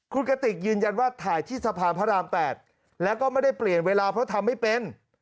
คุณกติกยืนยันว่าถ่ายที่สะพานพระราม๘แล้วก็ไม่ได้เปลี่ยนเวลาเพราะทำไม่เป็น